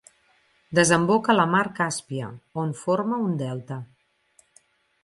Desemboca a la mar Càspia, on forma un delta.